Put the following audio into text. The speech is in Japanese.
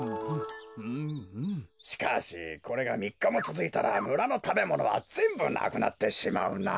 しかしこれがみっかもつづいたらむらのたべものはぜんぶなくなってしまうな。